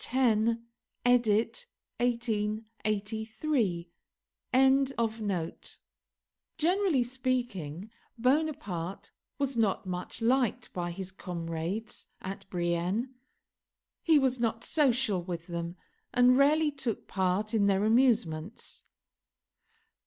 10, edit. 1883)] Generally speaking, Bonaparte was not much liked by his comrades at Brienne. He was not social with them, and rarely took part in their amusements.